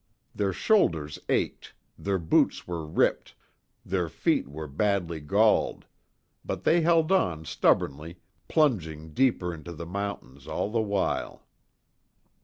Their shoulders ached, their boots were ripped, their feet were badly galled; but they held on stubbornly, plunging deeper into the mountains all the while.